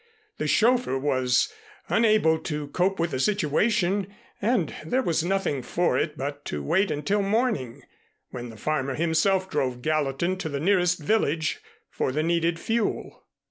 The chauffeur was unable to cope with the situation and there was nothing for it but to wait until morning, when the farmer himself drove Gallatin to the nearest village for the needed fuel.